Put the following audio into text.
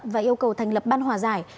và yêu cầu thành lập ban hòa giải